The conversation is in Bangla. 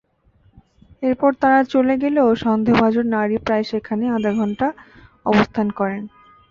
এরপর তাঁরা চলে গেলেও সন্দেহভাজন নারী প্রায় সেখানে আধঘণ্টা অবস্থান করেন।